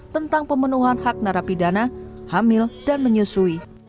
tentang pemenuhan hak narapidana hamil dan menyusui